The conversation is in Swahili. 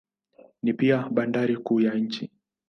Ni pia bandari kuu ya nchi.